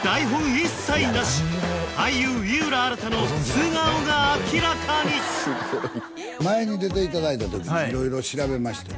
一切なし俳優・井浦新の素顔が明らかに前に出ていただいた時も色々調べました